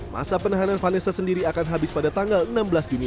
masa penahanan vanessa sendiri akan habis pada tanggal enam belas juni